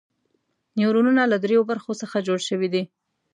نیورونونه له دریو برخو څخه جوړ شوي دي.